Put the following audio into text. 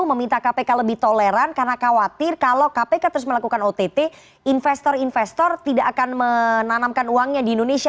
meminta kpk lebih toleran karena khawatir kalau kpk terus melakukan ott investor investor tidak akan menanamkan uangnya di indonesia